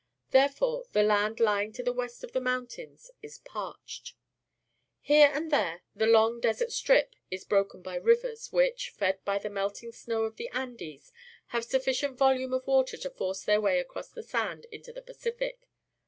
Therefore the land Ijing to the west of the mountains is parched. 148 PUBLIC SCHOOL GEOGR.\PHY Here and there the long desert strip is broken bj' rivers, which, fed by the melting snow of the .\ndes, have sufficient volume of water to force their way across the sand into the Pacific.